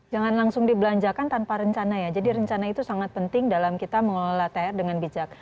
jangan langsung dibelanjakan tanpa rencana ya jadi rencana itu sangat penting dalam kita mengelola thr dengan bijak